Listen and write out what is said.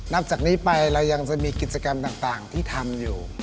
นับจากนี้ไปเรายังจะมีกิจกรรมต่างที่ทำอยู่